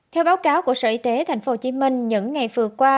theo báo cáo của sở y tế tp hcm những ngày vừa qua